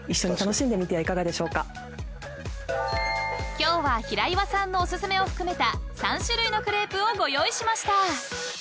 ［今日は平岩さんのお薦めを含めた３種類のクレープをご用意しました］